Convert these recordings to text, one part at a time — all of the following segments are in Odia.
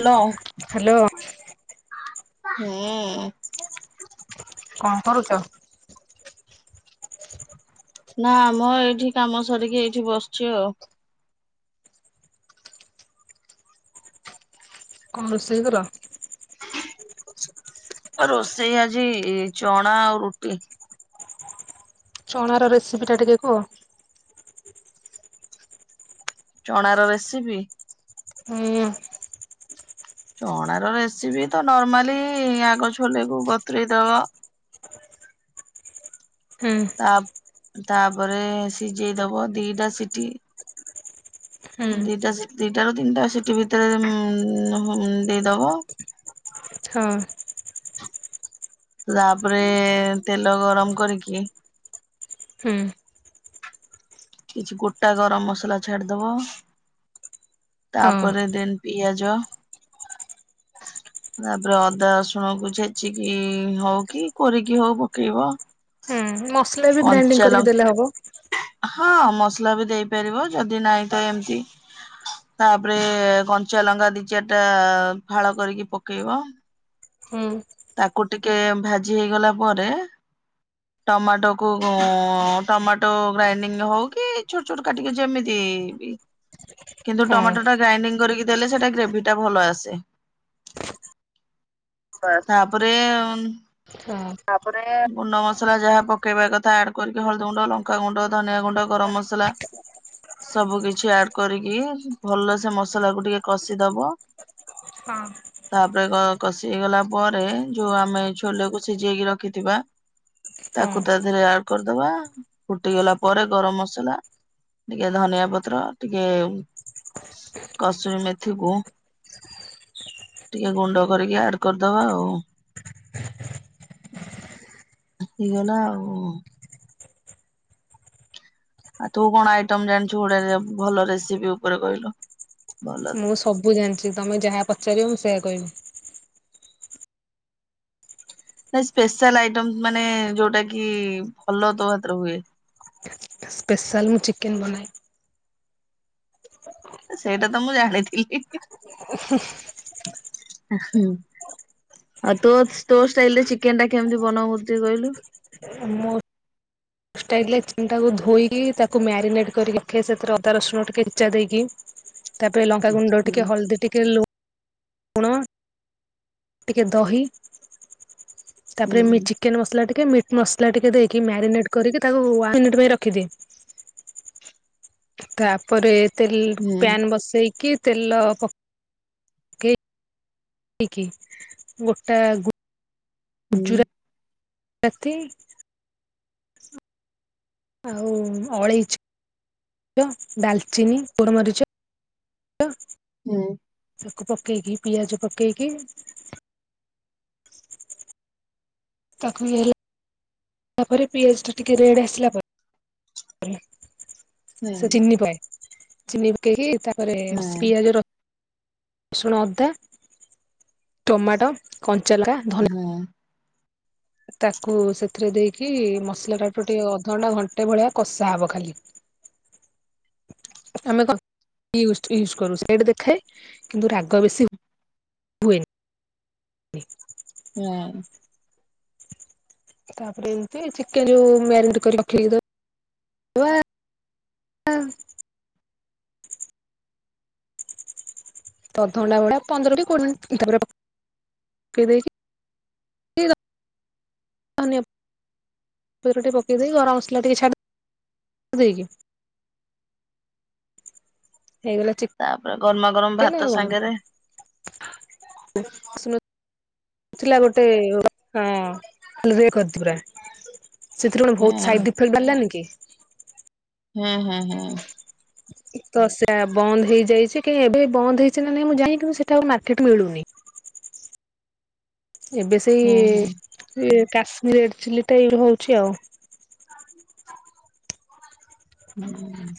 Hello hello. ହୁଁ କଣ କରୁଚ? ନା ମଁ ଏଇଠି କାମ ସରିକି ଏଇଠି ବସିଛି ଆଉ। ଙ୍କ ରୋଷେଇ କଲ ରୋଷେଇ ଆଜି ଚଣା ଆଉ ରୁଟି ଚଣାର ରେସିପିଟା ଟିକେ କୁହ ଚଣାର ରେସିପି ହୁଁ ଚଣାର ରେସିପି ତ ନର୍ମାଲି ଆଗ ଛୋଲେକୁୁ ବତୁରେଇ ଦବ ହୁଁ ତାପ୍ ତାପରେ ସିଯେଇଦବ ଦିଟା ସିଟି ହୁଁ ଦିଟା ଦିଟା ରୁ ତିନିଟା ସିଟିି ଭିତରେ ଦେଇଦବ ହଁ ତାପରେ ତେଲ ଗରମ କରିକି ହୁଁ କିଛି ଗୋଟା ଗରମ ମସଲା ଛାଡିଦବ ହଁ। ତାପରେ ଦେନ୍ ପିଆଜ ତାପରେ ଅଦା ରସୁଣକୁ ଛେଚିକି ହଉ କି କୋରିକି ହଉ ପକେଇବ। ହୁଁ ମସଲା ବି କଞ୍ଚା ଗ୍ରାଇଣ୍ଡିଙ୍ଗ କରିକି ଲଙ୍କା ଦେଲେ ହବ। ହଁ ମସଲା ବି ଦେଇପାରିବ ଯଦି ନାହିଁ ତ ଏମିତି ତାପରେ କଞ୍ଚା ଲଙ୍କା ଦି, ଚାରି ଟା ଫାଳ କରିକି ପକେଇବ। ହଁ। ତାକୁ ଟିକେ ଭାଜି ହେଇଗଲା ପରେ ଟମାଟୋ କୁ ଉଁ ଟମାଟୋ ଗ୍ରାଇଣ୍ଡିଙ୍ଗ ହଉ କି ଛୋଟ ଛୋଟ କାଟିକି ଯେମିତି ହଁ କିନ୍ତୁ ହଁ ଟମାଟୋ ଟା ଗ୍ରାଇଣ୍ଡିଙ୍ଗ କରିକି ଦେଲେ ସେଇଟା ଗ୍ରେଭି ଟା ଭଲ ଆସେ। ତାପରେ ତାପରେ ଗୁଣ୍ଡ ମସଲା ଯାହା ପକେଇବା କଥା ଆଡ଼ କରିକି ହଳଦୀ ଗୁଣ୍ଡ ଲଙ୍କା ଗୁଣ୍ଡ ଧନିଆ ଗୁଣ୍ଡ ଗରମ ମସଲା ସବୁ କିଛି ଆଡ଼ କରିକି ଭଲ ସେ ମସଲା କୁ ଟିକେ କଷିଦବ। ହଁ। ତାପରେ ଗ କଷି ହେଇଗଲା ପରେ ଯୋଉ ଆମେ ଛୋଲେକୁ ସିଝେଇକି ରଖ ରଖିଥିବା ତାକୁ ତା ଦେହରେ ଆଡ଼ କରିଦବା ଫୁଟିଗଲା ପରେ ଗରମ ମସଲା ଟିକେ ଧନିଆ ପତ୍ର ଟିକେ କସ୍ତୁରୀ ମେଥିକୁ ଟିକେ ଗୁଣ୍ଡ କରିକି ଆଡ଼ କରିଦବା ଆଉ ହେଇଗଲା ଆଉ। ଆଉ ତୁ କଣ ଆଇଟମ ଜାଣିଛୁ ଗୋଟେ ଯ ଭଲ ରେସିପି ଉପରେ କହିଲୁ। ଭଲ ମୁଁ ସବୁ ଜାଣିଛି ତମେ ଯାହା ପଚାରିବ ମୁଁ ସେଇଆ କହିବି। ନାଇଁ ସ୍ପେଶାଲ ଆଇଟମ ମାନେ ଯୋଉଟା କି ଭଲ ତୋ ହାତରେ ହୁଏ। ସ୍ପେଶାଲ ମୁଁ ଚିକେନ ବନାଏ। ସେଇଟା ତ ମୁଁ ଜାଣିଥିଲି। [unintelligible] ଆ ହଁ। ଆଉ ତୋ ତୋ ଷ୍ଟାଇଲ ରେ ଚିକେନ ଟା କେମିତି ବନାଉ ମତେ ଟିକେ କହିଲୁ। ମୁଁ ଷ୍ଟାଇଲରେ ଚିକେନ ଟାକୁ ଧୋଇଲି ତାକୁ ମ୍ୟାରିନେଟ କରିକି ଫେରେ ସେଥିରେ ଅଦା ରସୁଣ ଛେଚା ଦେଇକି ତାପରେ ଲଙ୍କା ଗୁଣ୍ଡ ହୁଁ ଟିକେ ହଳଦୀ ଟିକେ ଲୁ ଲୁଣ ଟିକେ ଦହି ହୁଁ ତାପରେ ମିଚ ଚିକେନ ମସଲା ଟିକେ ମିଟ ମସଲା ଟିକେ ଦେଇକି ମ୍ୟାରିନେଟ କରିକି ତାକୁ ୱାନ ମିନିଟ ପାଇଁ ରଖିଦିଏ। ତାପରେ ତେଲ ହୁଁ ପ୍ୟାନ ବସେଇକି ତେଲ ପକ ଇକି ଗୋଟା ହୁଁ। ଏଥି ଆଉ ଅଳେଇଚ ଡ଼ାଲଚିନି ଗୋଲମରିଚ ହୁଁ। ତାକୁ ପକେଇ କିି ପିଆଜ ପକେଇ କିି ତାକୁ ଇଏ ହେଲା ତାପରେ ପିଆଜଟା ଟିକେ ରେଡ଼ ଆସିଲା ପରେ ସେ ହୁଁ ଚିନି ପାଏ ଚିନି ପକେଇକି ତାପରେ ହୁଁ ପିଆଜ ର ରସୁଣ ଅଦା ଟମାଟୋ କଞ୍ଚା ଲଙ୍କା ଧନିଆ ହଁ। ତାକୁ ସେଥିରେ ଦେଇକି ମସଲା ଟାଠୁ ଟିକେ ଅଧଘଣ୍ଟା ଘଣ୍ଟେ ଭଳିଆ କଷା ହବ ଖାଲି। ଆମେ କଣ ୟୁଜଡ଼ ୟୁଜ କରୁ ସେଇଟା ଦେଖାଏ କିନ୍ତୁ ରାଗ ବେଶୀ ହୁଏନି। [unintelligible] ୟା। ତାପରେ ଏମିତି ଚିକେନ ଯୋଉ ମ୍ୟାରିନେଟ କରି ରଖିଦେଇଥିବା ହଁ। ଅଧ ଘଣ୍ଟା ଭଳି ପନ୍ଦର କୋଡିଏ ମିନରେ ପକେଇ ଦେଇକି ଧନିଆ ଟିକେ ପକେଇ ଦେଇକି ଗରମ ମସଲା ଟିକେ ଛାଡ଼ି ଦେଇକି ହେଇଗଲା ଚି ତାପରେ ଗରମା ଗରମା ଭାତ ସାଙ୍ଗରେ [inaudible] ଥିଲା ଗୋଟେ ହଁ ପା [inaudible] ସେଥିରେ କଣ ହୁଁ ବହୁତ ସାଇଟ୍ଇଫେକ୍ଟ ବାହାରିଲାନି କି? ହୁଁ ହୁଁ ହୁଁ। ତ ସେୟା ବନ୍ଦ ହେଇଯାଇଚି କାଇହିଁ ଏବେ ବି ବନ୍ଦ ହେଇଚି ନା ନାଇଁ ମୁଁ ଜାଣିନି ସେଇଟା ଆଉ ମାର୍କେଟରେ ମିଳୁନି। ଏବେ ହୁଁ ସେଇ ହୁଁ କାଶ୍ମୀର ରେଡ ଚିଲ୍ଲିଟା ଏଇ ହଉଚି ଆଉ। ହୁଁ।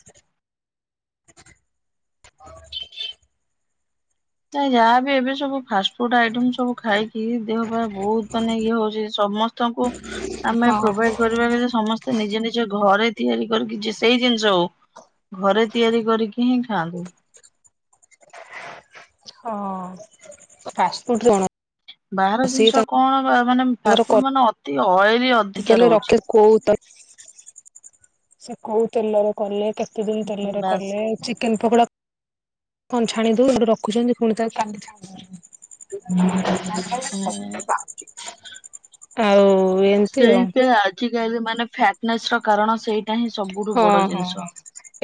ତ ଯାହାବି ଏବେ ସବୁ ଫାଷ୍ଟ ଫୁଡ୍ ଆଇଟମ୍ ସ ସବୁ ଖାଇକି ଦେହ ପାଇଁ ବହୁତ ମାନେ ଇଏ ହଉଚି ସମସ୍ତଙ୍କୁ ଆମେ ହଁ ହଁ ପ୍ରୋଭାଇଡ୍ କରିବା ଗଲେ ସମସ୍ତେ ନିଜ ନିଜ ଘରେ ତିଆରି କରିକି ସେଇ ଜିନିଷ ହଉ। ଘରେ ତିଆରି କରିକି ହିଁ ଖାଆନ୍ତୁ। ହଁ ଫାଷ୍ଟ ଫୁଡ୍ ଜଣ ବାହାର ଜିନିଷ କଣ ମାନେ ତାଙ୍କର ଫାଷ୍ଟ ଫୁଡ୍ ମାନେ ଅତି ଅଏଲି [inaudible] ଅଧିକା ରହୁଛି। ତେଲରେ କଲେ କେତେ ଦିନ ତେଲରେ ବାସ୍ କଲେ ଚିକେନ ପକୋଡ଼ା କଣ ଛାଣି ଦଉ ରଖୁଛନ୍ତି ପୁଣି ତା କାଲି ଛାଣି ଦଉଚନ୍ତି। ଏଁ ଆଉ ଏମିତି ଆଉ ସେଇପା ଆଜିକାଲି ମାନେ ଫ୍ୟାଟନେସ୍ ର କାରଣ ସେଇଟା ହିଁ ସବୁଠୁ ହଁ ବଡ଼ ହଁ ଜିନିଷ। ହଁ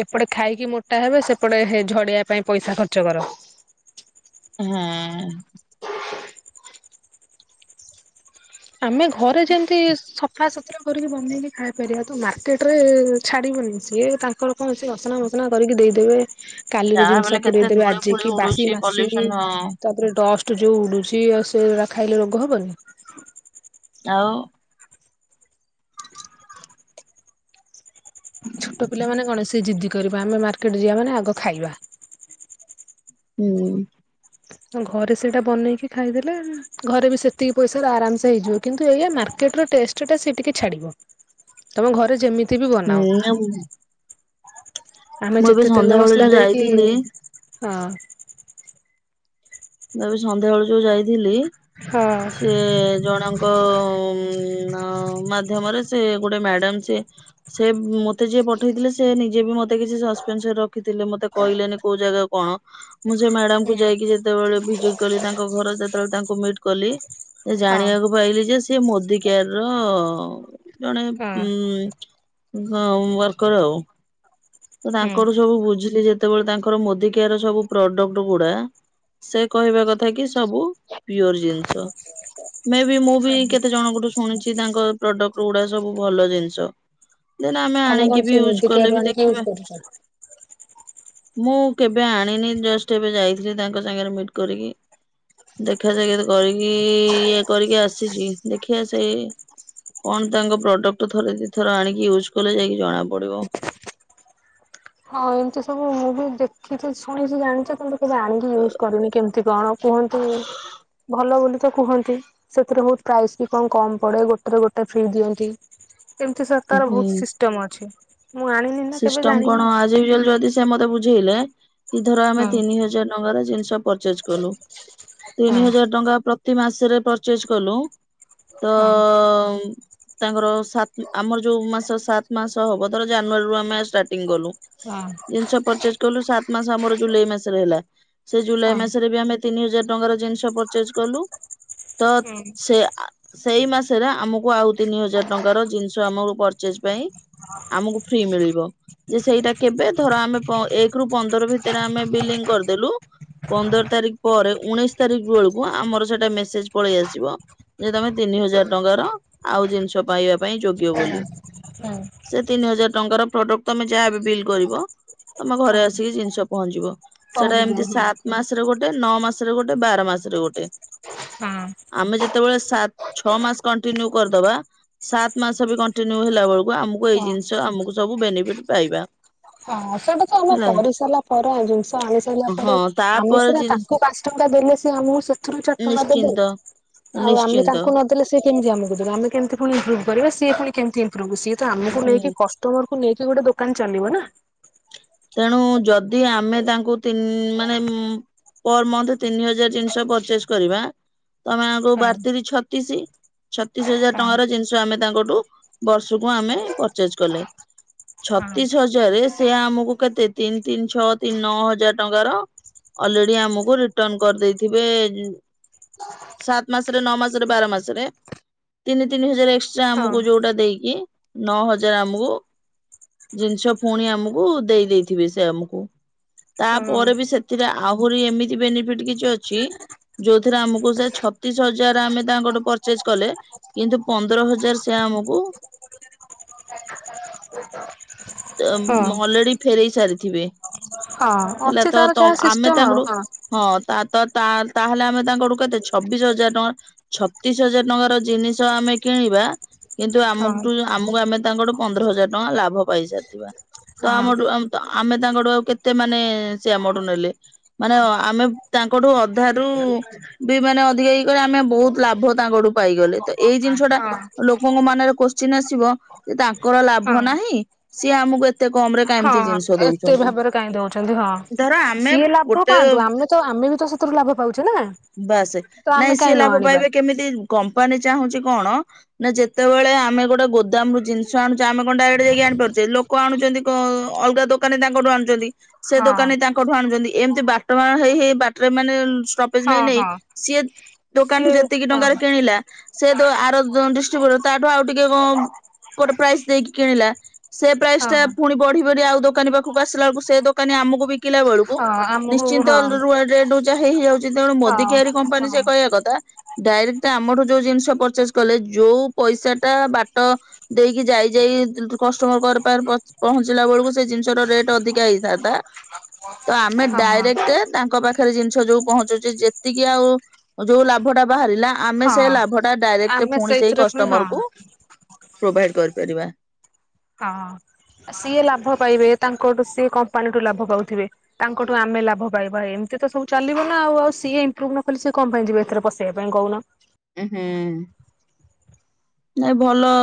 ଏପଟେ ଖାଇକି ମୋଟା ହେବେ ସେପଟେ ଝଡିିବା ପାଇଁ ପଇସା ଖର୍ଚ୍ଚ କର। ହଁ। ଆମେ ଘରେ ଯେମତି ସଫାସୁତୁରା କରିକି ବନେଇକି ଖାଇପାରିବା ତ ମାର୍କେଟ ରେ ଛାଡ଼ିବନି ସିଏ ତାଙ୍କର କଣ ସିଏ ଅସନା ଫସ ନା କରିକି ଦେଇଦେବେ। କାଲିର ଯାହା ଜିନିଷ ବଲେ ପୁରେଇ କେତେ ଦେବେ ଧୂଳି ଫୁଳି ଆଜିକି ବାସି ଉଡୁଛି ମାସି ପଲ୍ୟୁସନ ତାପରେ ଡଷ୍ଟ ଯୋଉ ଉଡୁଛି ଆଉ ସେଇରା ଖାଇଲେ ରୋଗ ହବନି‌। ଆଉ। ଛୋଟ ପିଲା ମାନେ କଣ ସେ ଜିଦି କରିବେ ଆମେ ମାର୍କେଟ ଯିବା ମାନେ ଆଗ ଖାଇବା। ହୁଁ। ଆ ଘରେ ସେଇଟା ବନେଇକି ଖାଇଦେଲେ ଘରେ ବି ସେତିକି ପଇସା ଆରାମସେ ହେଇଯିବ କିନ୍ତୁ ଏଇ ମାର୍କେଟ ର ଟେଷ୍ଟ ଟା ସେ ଟିକେ ଛାଡ଼ିବ। ତମେ ଘରେ ଯେମି ହୁଁ ଆ ଆମେ ଯେତେ ତେଲ ସନ୍ଧ୍ୟାବେଳେ ମସଲା ଯୋଉ ଦେଇକି ଯାଇଥିଲି ହଁ। ମୁଁ ଏବେ ସନ୍ଧ୍ୟାବେଳୁ ଯୋଉ ଯାଇଥିଲି ହଁ ସିଏ ଜଣ ଙ୍କ ମାଧ୍ୟମରେ ସେ ଗୋଟେ ମ୍ୟାଡାମ ସେ ସେ ମତେ ଯିଏ ପଠେଇଥିଲେ ସେ ନିଜେ ବି ମତେ କିଛି ସସ୍ପେନ୍ସରେ ରଖିଥିଲେ ମତେ କହିଲେନି କୋଉ ଜାଗା କଣ? ମୁଁ ସେ ମ୍ୟାଡାମକୁୁ ହୁଁ। ଯାଇକି ଯେତେବେଳେ ଭିଜିଟ କଲି ତାଙ୍କ ଘର ଯେତେବେଳେ ତାଙ୍କୁ ମିଟ୍ କଲି। ସେ ହଁ। ଜାଣିବାକୁ ପାଇଲି ଯେ ସେ ମୋଦିକାର ଜଣେ ଉ ହଁ ଅ [inaudible] ତ ହୁଁ। ତାଙ୍କଟୁ ସବୁ ବୁଝିଲି ଯେ ଯେତେବେଳେ ତାଙ୍କର ମୋଦିକେୟାର ସବୁ ପ୍ରଡକ୍ଟ ଗୁଡା ସେ କହିବା କଥା କି ସବୁ ପିଓର ଜିନିଷ ମେ ବି ମୁଁ ବି ହଁ କେତେ ଜଣଙ୍କଠୁ ଶୁ ଶୁଣିଛି ତାଙ୍କ ପ୍ରଡକ୍ଟ ଗୁଡା ସବୁ ଭଲ ଜିନିଷ। ଦେନ ଆମେ ଆଣିକି ବି ୟୁଜ୍ କଲେ ବି ଦେଖିବା। ଆଚ୍ଛା। ମୁଁ କେବେ ଆଣିନି ଜଷ୍ଟ ଏବେ ଯାଇଥିଲି ତାଙ୍କ ସାଙ୍ଗରେ ମିଟ୍ କରିକି। ଦେଖା ସାକ୍ଷାତ କରିକି ଇଏ କରିକି ଆସିଛି ଦେଖିିଆ ସେଇ କଣ ତାଙ୍କ ପ୍ରଡକ୍ଟ ଥରେ ଦିଇଥର ଆଣିକି ୟୁଜ୍ କଲେ ଯାଇକି ଜଣା ପଡ଼ିବ। ହଁ ଏମିତି ସବୁ ମୁଁ ବି ଦେଖିଛି ଶୁଣିଛି ଜାଣିଛି ତମେ ତ ଜାଣିକି ୟୁଜ୍ କରନି କେମିତି। କେମିତି କଣ କୁହନ୍ତୁ ଭଲ ବୋଲି ତ କୁହନ୍ତି। ସେଥିରେ ବହୁତ୍ ପ୍ରାଇସ୍ ବି କଣ କମ ପଡେ ଗୋଟେରେ ଗୋଟେ ଫ୍ରି ଦିଅନ୍ତି। ଏମିତି ସବୁ ତାର ହୁଁ ବହୁତ୍ ସିଷ୍ଟମ୍ ଅଛି ମୁଁ ଆଣିନି ନା କେବେ ସିଷ୍ଟମ ଜାଣିନି। କଣ ଆଜ ୟୂଜ ଆଲ୍ ଯଦି ସେ ମତେ ବୁଝେଇଲେ କି ଧର ଆମେ ହଁ ତିନି ହଜାର ଟଙ୍କାର ଜିନିଷ ପରଚେଜ କଲୁ ହଁ ତିନି ହଜାର ଟଙ୍କା ପ୍ରତି ମାସରେ ପରଚେଜ କଲୁ ତ ହଁ ତାଙ୍କର ସାତ ଆମର ଯୋଉ ମାସ ସାତ ମାସ ହବ ଧର ଜାନୁଆରୀ ରୁ ଆମେ ଷ୍ଟାର୍ଟ ହଁ ଜିନିଷ ପରଚେଜ୍ କଲୁ ସାତ୍ ମାସ ଆମର ଜୁଲାଇ ମାସରେ ହେଲା ସେ ଜୁଲାଇ ହଁ। ମାସରେ ବି ଆମେ ତିନି ହଜାର ଟଙ୍କାର ଜିନିଷ ପରଚେଜ କଲୁ ତ ହୁଁ। ସେ ଆ ସେଇ ମାସରେ ଆମକୁ ଆଉ ତିନି ହଜାର ଟଙ୍କାର ଜିନିଷ ଆମକୁ ପରଚେଜ ପାଇଁ ଆମକୁ ଫ୍ରି ମିଳିବ। ଯେ ସେଇଟା କେବେ ଧର ଆମେ ଏକ ରୁ ପନ୍ଦର ଭିତରେ ଆମେ ବିଲଂ କରିଦେଲୁ ପନ୍ଦର ତାରିଖ ପରେ ଉଣେଇଶି ତାରିଖ ବେଳକୁ ଆମର ସେଟା ମେସେଜ ପଳେଇ ଆସିବ ଯେ ତମେ ତିନି ହଜାର ଟଙ୍କାର ଆଉ ଜିନିଷ ପାଇବା ପାଇଁ ଯୋଗ୍ୟ ବୋଲି। ହୁଁ ସେ ତିନି ହଜାର ଟଙ୍କାର ପ୍ରଡକ୍ଟ ତମେ ଯାହାବି ବିଲ୍ କରିବ ତମ ଘରେ ହଁ ଆସିକି ଜିନିଷ ପହଞ୍ଚିବ। ସେଇଟା ପହଞ୍ଚିଯିବ ଏମିତି ହଁ ସାତ ମାସରେ ଗୋଟେ ନଅ ମାସରେ ଗୋଟେ ବାର ମାସରେ ଗୋଟେ। ହଁ। ଆମେ ଯେତେବେଳେ ସାତ ଛଅ ମାସ କଣ୍ଟିନ୍ୟୁ କରିଦବା ସାତ ମାସ ବି କଣ୍ଟିନ୍ୟୁ ହେଲା ବେଳକୁ ଆମକୁ ଏଇ ହଁ। ଜିନିଷ ଆମକୁ ସବୁ ବେନିଫିଟ ପାଇବା। ହଁ ସେଟା ତ ଆମେ ହେଲା କରିସାରିଲା ପରେ ଜିନିଷ ଆଣି ସାରିଲା ହଁ ପରେ ଆମେ ତାପରେ ସିନା ଜିନିଷ ତାଙ୍କୁ ପାଞ୍ଚ ଟଙ୍କା ଦେଲେ ସେ ଆମକୁ ସେଥିରୁ ଚାରି ଟଙ୍କା ଦେବେ। ନିଶ୍ଚିନ୍ତ ଆଉ ଆମେ ନିଶ୍ଚିନ୍ତ ତାଙ୍କୁ ନଦେଲେ ସେ ସେମିତି କେମତି ଆମକୁ ଦବା ଆମେ କେମତି ପୁଣି ଇମ୍ପ୍ରୁଭ କରିବା ସିଏୁ ପୁଣି କେମତି ଇମ୍ପ୍ରୁଭ ସି ତ ଆମକୁ ନେଇ ହୁଁ କସ କଷ୍ଟମର କୁ ନେଇକି ଗୋଟେ ଦୋକାନ ଚାଲିବ ନା। ତେଣୁ ଯଦି ଆମେ ତାଙ୍କୁ ତିନ ମାନେ ମୁଁ ପର ମନ୍ଥ ତିନି ହଜାର ଜିନିଷ ପରଚେଜ କରିବା ତମେ ଆକୁ ହଁ ବାରତିରି ଛତିଶ ଛତିଶ ହଜାର ହଁ ଟଙ୍କାର ଜିନିଷ ଆମେ ତାଙ୍କଠୁ ବର୍ଷକୁ ଆମେ ପରଚେଜ କଲେ। ହଁ ଛତିଶ ହଜାରରେ ସେ ଆମକୁ କେତେ ତିନି ତିନି ଛଅ ତିନି ନଅ ହଜାର ଟଙ୍କାର ଅଲରେଡି ଆମକୁ ରିଟର୍ଣ କରିଦେଇଥିବେ ସାତ ମାସରେ, ନଅ ମାସରେ, ବାର ମାସରେ। ତିନି ତିନି ହଜାର ଏକ୍ସଟ୍ରା ହଁ ଆମକୁ ଯୋଉଟା ଦେଇକି ନଅ ହଜାର ଆମକୁ ଜିନିଷ ପୁଣି ଆମକୁ ଦେଇ ଦେଇେଇଥିବେ ସେ ଆମକୁ ହଁ। ତାପରେ ବି ସେଥିରେ ଆହୁରି ଏମିତି ବେନିଫିଟ କିଛି ଅଛି ଯୋଉଥିରେ ଆମକୁ ସେ ଛତିଶ ହଜାର ଆମେ ତାଙ୍କଠୁ ପରଚେଜ କଲେ। କିନ୍ତୁ ପନ୍ଦର ହଜାର ସେ ଆମକୁ ଅ ହଁ ଉଁ ଅଲରେଡି ଫେରେଇ ସାରିଥିବେ, ହଁ ହେଲା ଅଛି ତାର ତ ଯାହା ଆମେ ସିଷ୍ଟମ ଆଉ ତାଙ୍କଠୁ ହଁ ତା ତ ତା ତାହେଲେ ଆମେ ତାଙ୍କଠୁ କେତେ ଛବିଶ ହଜାର ଟଙ୍କା ଛତିଶ ହଜାର ଟଙ୍କାର ଜିନିଷ ଆମେ କିଣିବା କିନ୍ତୁ ହଁ ଆମଠୁ ଆମକୁ ଆମେ ତାଙ୍କଠୁ ପନ୍ଦର ହଜାର ଟଙ୍କା ଲାଭ ପାଇସାରିଥିବା ତ ହଁ ଆମଠୁ ଉଁ ତ ଆମେ ତାଙ୍କଠୁ ଆଉ କେତେ ମାନେ ସେ ଆମଠୁ ନେଲେ? ମାନେ ଅ ଆମେ ତାଙ୍କଠୁ ଅଧାରୁୁ ବି ମାନେ ଅଧିକା ହେଇଗଲେ ଆମେ ବହୁତ ଲାଭ ତାଙ୍କଠୁ ପାଇଗଲେ। ତ ଏଇ ଜିନିଷ ଟା ହଁ ଲୋକଙ୍କ ମନରେ କୋଶ୍ଚିନ୍ ଆସିବ ଯେ ତାଙ୍କର ଲାଭ ହଁ ନାହିଁ? ସିଏ ଆମକୁ ଏତ ହଁ ଏତେ ଭାବରେ କାହିଁ ଦଉଛନ୍ତି, ଧର ହଁ ଆମେ ସିଏ ଲାଭ ଗୋଟେ ପାଆନ୍ତୁ ଆମେ ତ ଆମେ ବି ତ ସ [unintelligible] ଲାଭ ପାଉଛୁ ନା। ବାସସେ ତ ନାଇଁ ଆମେ ସିଏ କାହିଁ ନ ଲାଭ ଆଣିବା। ପାଇବେ କେମିତି? କମ୍ପାନୀ ଚାହୁଁଛି କଣ ନା ଯେତେବେଳେ ଆମେ ଗୋଟେ ଗୋଦାମ୍ ରୁ ଜିନିଷ ଆଣୁଛେ ଆମେ କଣ ଡାଇରେକ୍ଟ୍ ଯାଇକି ଆଣିପାରୁୁ? ଚେ, ଲୋକ ଆଣୁଛନ୍ତି କ ଅଲଗା ଦୋକାନୀ ତାଙ୍କଠୁ ଆଣୁଛନ୍ତି। ସେ ହଁ ଦୋକାନୀ ତାଙ୍କଠୁ ଆଣୁଛନ୍ତି ଏମିତି ବାଟ ବଣା ହେଇ ହେଇ ବାଟରେ ମାନେ ଉଁ ଷ୍ଟପ ପେଜ ନ ହଁ ନେଇ, ହଁ। ସିଏ ଦୋକାନଠୁ ସିଏ ଯେତିକି ହଁ ଟଙ୍କାରେ କିଣିଲା ସେ ତ ଆର ଦ ଡିଷ୍ଟ୍ରିବ୍ୟୁଟ ତାଠୁ ଆଉ ଟିକେ କଣ ଗୋଟେ ପ୍ରାଇସ୍ ଦେଇକି କିଣିଲା। ସେ ପ୍ରାଇସ୍ ଟା ହଁ ପୁଣି ବଢିବଢି ଆଉ ଦୋକାନୀ ପାଖକୁ ଆସିଲା ବେଳକୁ ସେ ଦୋକାନୀ ଆମକୁ ବିକିଲା ବେଳକୁ ହଁ ଆମକୁ ହଁ ନିଶ୍ଚିନ୍ତ ହଁ ରୁଆ ରେଟ୍ ଉଚ୍ଚା ହେଇ ହେଇଯାଉଛି ତେଣୁ ମୋଦି ହଁ କେଆାରୀ କମ୍ପାନୀ ସେ କହିବା କଥା ଡାଇରେକ୍ଟ୍ ଟା ଆମଠୁ ଯୋଉ ଜିନିଷ ପର୍ଚେଜ୍ କଲେ ଯୋଉ ପଇସା ଟା ବାଟ ଦେଇକି ଯାଇ ଯାଇ [unintelligible] କଷ୍ଟ୍ [unintelligible] ପହଞ୍ଚି ପହଞ୍ଚିଲା ବେଳକୁ ସେ ଜିନିଷ ର ରେଟ୍ ଅଧିକା ହେଇଥାନ୍ତା। ତ ଆମେ ହଁ ଡାଇରେକ୍ଟେ ତାଙ୍କ ପାଖ ଖରେ ଜିନିଷ ଯୋଉ ପହଞ୍ଚୁଛି, ଯେତିକି ଆଉ ଯୋଉ ଲାଭ ଟା ବାହାରିଲା ଆମେ ସେ ହଁ ଲାଭ ଟା ଡାଇରେକ୍ଟ୍ ଆମେ ପୁଣି ସେଇ ସେଇଥିରେ ପୁଣି କଷ୍ଟମର୍ ହଁ କୁୁ ପ୍ରୋଭାଇଡ କରିପାରିବା। ହଁ। ସିଏ ଲାଭ ପାଇବେ ତାଙ୍କଠୁ ସିଏ କମ୍ପାନୀଠୁ ଲାଭ ପାଉଥିବେ। ତାଙ୍କଠୁ ଆମେ ଲାଭ ପାଇବା ଏମିତି ତ ସବୁ ଚାଲିବ ନା ଆଉ। ଆଉ ସିଏ ଇମ୍ପ୍ରୁଭ ନ କଲେ ସିଏ କଣ ପାଇଁ ଯିବେ ଏଥିରେ ପସିବା ପାଇଁ କହୁନ? ଉହୁଁ ନାଇଁ ଭଲ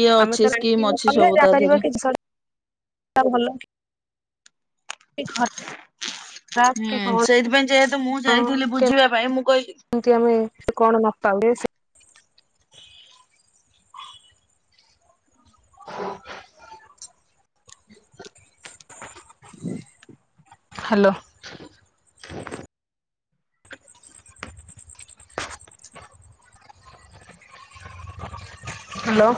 ଇଏ ଆମେ ତ ଅଛି, ଆଣିକି ସ୍କିମ୍ ଅଛି ସବୁ ତା ଦେହରେ। ତା ଭଲ। କି ଖରାପ କି ହୁଁ କଣ ସେଇଥିପାଇଁ ଯେହେତୁ ମୁଁ ଯାଇଥିଲି ବୁଝିବା ପାଇଁ ମୁଁ କହିିଲି। ଏମତି ଆମେ ସେ କଣ ନପାଉ [unintelligible] ହ୍ୟାଲୋ। ହ୍ୟାଲୋ।